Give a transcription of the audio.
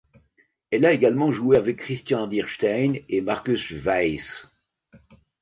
Elle a également joué avec Christian Dierstein et Marcus Weiss.